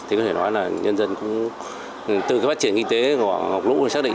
thì có thể nói là nhân dân cũng từ phát triển kinh tế của ngọc lũ xác định